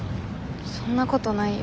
そんなことないよ。